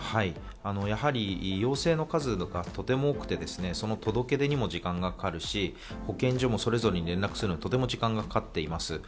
やはり陽性の数とかとても多くて、その届け出にも時間がかかるし、保健所もそれぞれに連絡するのにとても時間がかかっています。